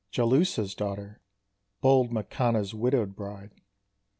Jalúhsa's daughter, Bold Makanna's widowed bride.